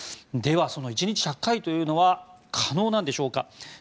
ではその１日１００万回は可能なんでしょうか。